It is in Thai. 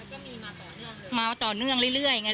มันก็มีมาต่อเนื่องเลยมาต่อเนื่องเรื่อยเรื่อยไง